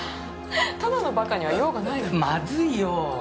ただのバカには用がないの。マズイよ。